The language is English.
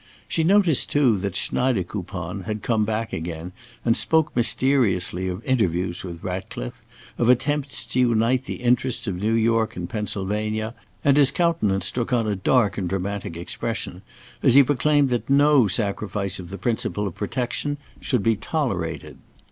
She noticed too that Schneidekoupon had come back again and spoke mysteriously of interviews with Ratcliffe; of attempts to unite the interests of New York and Pennsylvania; and his countenance took on a dark and dramatic expression as he proclaimed that no sacrifice of the principle of protection should be tolerated.